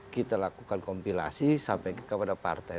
kita lakukan kompilasi sampai kepada partai